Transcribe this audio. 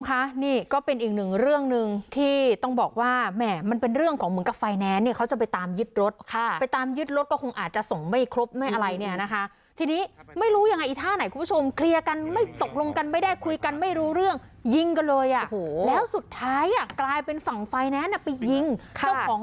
ค่ะนี่ก็เป็นอีกหนึ่งเรื่องหนึ่งที่ต้องบอกว่าแหม่มันเป็นเรื่องของเหมือนกับไฟแนนซ์เนี่ยเขาจะไปตามยึดรถค่ะไปตามยึดรถก็คงอาจจะส่งไม่ครบไม่อะไรเนี่ยนะคะทีนี้ไม่รู้ยังไงอีท่าไหนคุณผู้ชมเคลียร์กันไม่ตกลงกันไม่ได้คุยกันไม่รู้เรื่องยิงกันเลยอ่ะโอ้โหแล้วสุดท้ายอ่ะกลายเป็นฝั่งไฟแนนซ์อ่ะไปยิงเจ้าของ